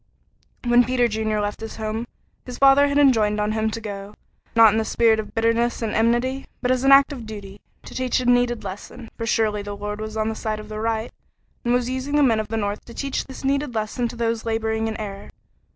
When Peter Junior left his home, his father had enjoined on him to go, not in the spirit of bitterness and enmity, but as an act of duty, to teach a needed lesson; for surely the Lord was on the side of the right, and was using the men of the North to teach this needed lesson to those laboring in error.